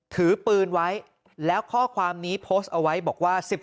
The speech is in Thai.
ถือปืนไว้แล้วข้อความนี้โพสต์เอาไว้บอกว่า